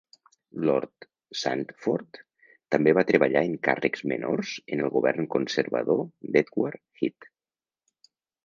Lord Sandford també va treballar en càrrecs menors en el govern conservador d'Edward Heath.